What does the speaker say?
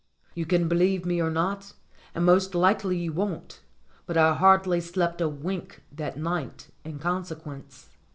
You can believe me or not and most likely you won't but I hardly slept a wink that night in consequence.